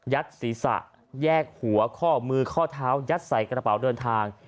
ศีรษะแยกหัวข้อมือข้อเท้ายัดใส่กระเป๋าเดินทาง